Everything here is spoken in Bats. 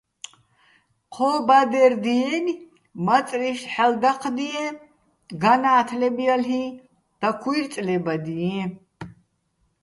ჴო ბადერ დიენი̆, მაწრიშ ჰ̦ალო̆ დაჴდიეჼ, განა́თლებ ჲალ'იჼ, დაქუ́ჲრწლებადიეჼ.